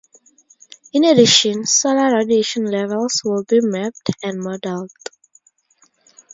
In addition, solar radiation levels will be mapped and modeled.